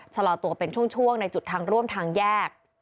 ชะลอตัวเป็นช่วงในจุดทางร่วมทางแยก